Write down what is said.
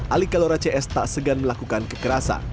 ali kalora cs tak segan melakukan kekerasan